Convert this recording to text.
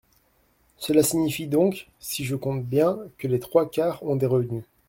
Cela signifie donc, si je compte bien, que les trois quarts ont des revenus.